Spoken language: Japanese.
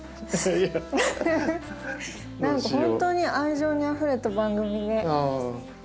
何か本当に愛情にあふれた番組で。